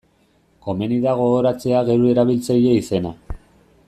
Komeni da gogoratzea geure erabiltzaile izena.